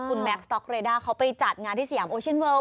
คุณแม็กซ็อกเรด้าเขาไปจัดงานที่สยามโอเชียนเวิล